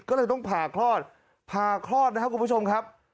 ก็เลยต้องผ่าคลอดผ่าคลอดนะครับคุณผู้ชมครับ